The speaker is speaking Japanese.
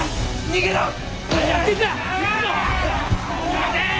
逃げろっ！